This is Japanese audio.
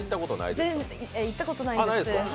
行ったことないです。